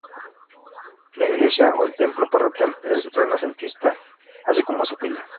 La iglesia o el templo parroquial es renacentista así como su pila.